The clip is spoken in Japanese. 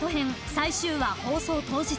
最終話放送当日